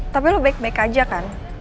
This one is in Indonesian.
tapi lu baik baik aja kan